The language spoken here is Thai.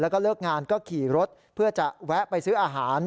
แล้วก็เลิกงานก็ขี่รถเพื่อจะแวะไปซื้ออาหาร